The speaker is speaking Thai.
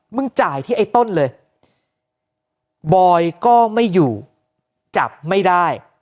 จ่ายที่ไอ้ต้นเลยบอยก็ไม่อยู่จับไม่ได้